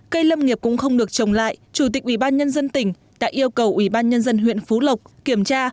cây lâm nghiệp cũng không được trồng lại chủ tịch ubnd tỉnh đã yêu cầu ubnd huyện phú lộc kiểm tra